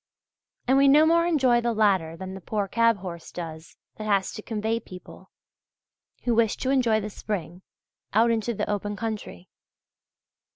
And we no more enjoy the latter than the poor cab horse does, that has to convey people, who wish to enjoy the spring, out into the open country.